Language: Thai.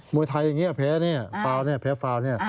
มวยไทยแผลฟ้าวนี่